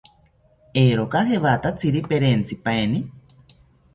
¿Eeroka jewatatziri perentzipaeni?